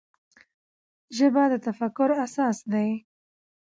ژبه د تفکر اساس ده.